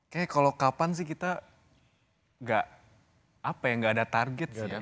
kayaknya kalau kapan sih kita gak apa ya gak ada target sih ya